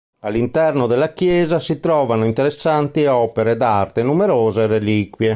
All'interno della chiesa si trovano interessanti opere d'arte e numerose reliquie.